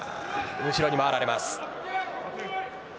後ろに回られます。